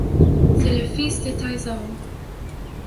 C'est le fils de Taizong.